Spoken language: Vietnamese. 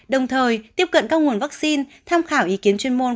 đồng thời tiếp cận các nguồn vắc xin tham khảo ý kiến chuyên môn